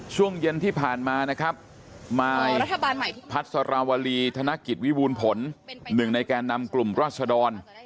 ช่วงเย็นที่ผ่านมานะครับมายพัฒนาวรีธนกิจวิวูลผล๑ในแก่นำกลุ่มราชดร